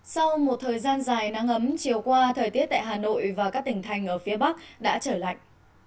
sau một thời gian dài nắng ấm chiều qua thời tiết tại hà nội và các tỉnh thành ở phía bắc đã trở lạnh